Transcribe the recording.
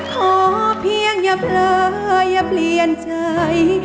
ขอเพียงอย่าเผลออย่าเปลี่ยนใจ